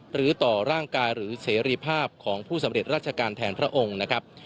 หรือต่อร่างกายหรือเสรีภาพของผู้สำเร็จราชการแทนพระองค์นะครับ